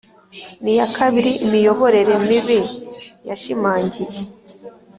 n iya kabiri imiyoborere mibi yashimangiye